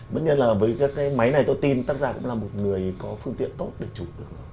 tất nhiên là với các cái máy này tôi tin tác giả cũng là một người có phương tiện tốt để chụp được